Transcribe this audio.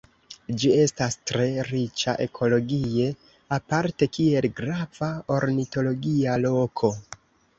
Ĝi estas tre riĉa ekologie aparte kiel grava ornitologia loko.